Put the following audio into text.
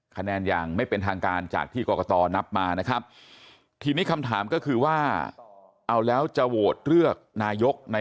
คะแนนอย่างไม่เป็นทางการจากที่กรกตนับมานะครับทีนี้คำถามก็คือว่าเอาแล้วจะโหวตเลือกนายกใน